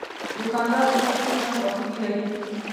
دوکاندار د خلکو سره خواخوږي لري.